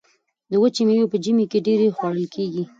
وچې میوې په ژمي کې ډیرې خوړل کیږي.